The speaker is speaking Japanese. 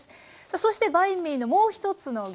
そしてバインミーのもう一つの具